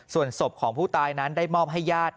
ส่วนศพของผู้ตายนั้นได้มอบให้ญาติ